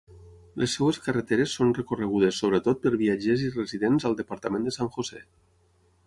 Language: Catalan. Les seves carreteres són recorregudes sobretot per viatgers i residents al departament de San José.